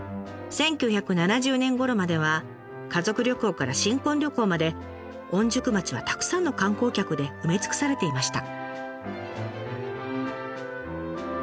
１９７０年ごろまでは家族旅行から新婚旅行まで御宿町はたくさんの観光客で埋め尽くされていました。